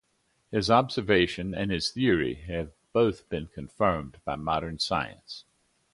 His observation and his theory have both been confirmed by modern science.